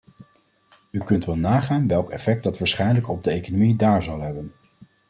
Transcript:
U kunt wel nagaan welk effect dat waarschijnlijk op de economie daar zal hebben.